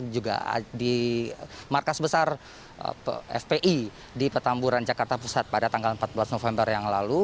juga di markas besar fpi di petamburan jakarta pusat pada tanggal empat belas november yang lalu